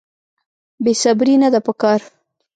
بې صبري نه ده په کار.